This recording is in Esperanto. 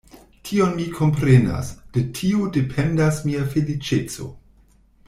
Tion mi komprenas; de tio dependas mia feliĉeco.